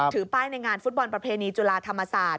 ถือป้ายในงานฟุตบอลประเพณีจุฬาธรรมศาสตร์